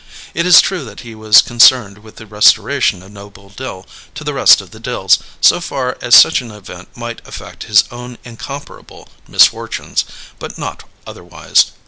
It is true that he was concerned with the restoration of Noble Dill to the rest of the Dills so far as such an event might affect his own incomparable misfortunes, but not otherwise.